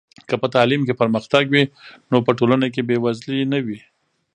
که په تعلیم کې پرمختګ وي نو په ټولنه کې بې وزلي نه وي.